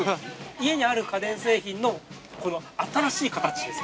◆家にある家電製品の新しい形です。